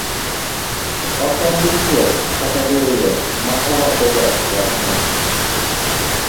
ok en dichiel kata diriyo ma owachoga wachno